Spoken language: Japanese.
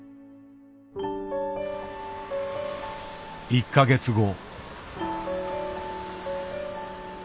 １か月後。